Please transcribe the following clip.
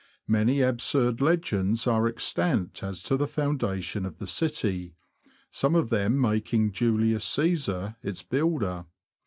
Many absurd legends are extant as to the foundation of the city, some of them making Julius Csesar its builder.